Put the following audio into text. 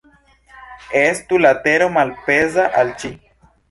Estu la tero malpeza al ŝi.